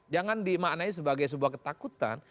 jangan dimaknai sebagai sebuah ketakutan